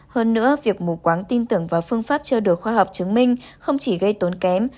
hơn nữa việc mù quáng tin tưởng vào phương pháp trao đổi khoa học chứng minh không chỉ gây tốn kém